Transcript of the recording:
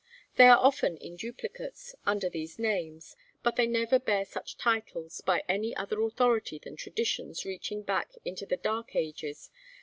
They are often in duplicates, under these names, but they never bear such titles by other authority than traditions reaching back into the dark ages.